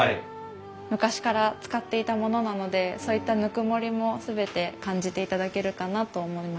昔から使っていたものなのでそういったぬくもりも全て感じていただけるかなと思いました。